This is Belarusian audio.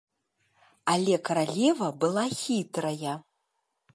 Але каралева была хітрая.